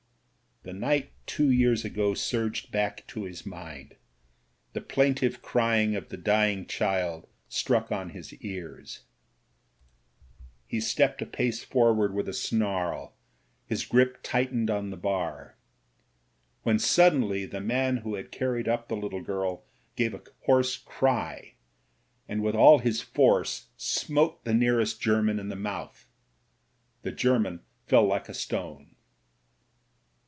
'* The night two years ago surged back to his mind ; the plaintive crying of the dying child struck on his ears. He stepped a 178 MEN, WOMEN AND GUNS pace forward with a snarl — ^his grip tightened on the bar — when suddenly the man who had carried up the little girl gave a hoarse cry, and with all his force smote the nearest German in the mouth. The German fell like a stone.